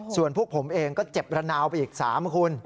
ส่วนพวกผมเองก็เจ็บระนาวไปอีก๓คุณ